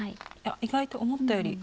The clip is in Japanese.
意外と思ったより。